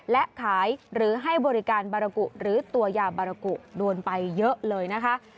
และขายหรือให้บริการบารกุหรือตัวยาบารกุโดนไปเยอะเลยนะคะ